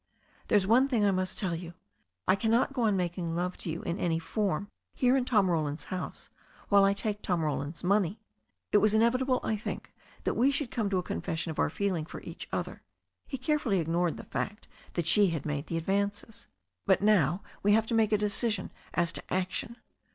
"There's one thing I must tell you. I cannot go on making love to you in any form here in Tom Roland's house while I take Tom Roland's money. It was inevitable, I think, that we should come to a confession of our feeling for each other" — ^he carefully ignored the fact that she had made the advances — "but now we have to make a decision as to action.